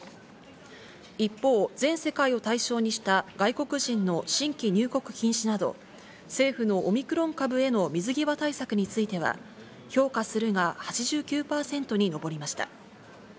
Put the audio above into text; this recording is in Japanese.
一方、全世界を対象にした外国人の新規入国禁止など、政府のオミクロン株への水際対策については評価するが８９％に上りました。